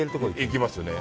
行きますよね。